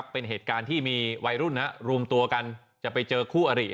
เป็นเหตุการณ์ที่มีวัยรุ่นรวมตัวกันจะไปเจอคู่อริ